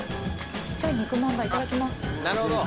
小っちゃい肉まんだいただきます。